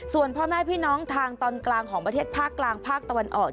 ส่วนพ่อแม่พี่น้องทางตอนกลางของประเทศภาคกลางภาคตะวันออก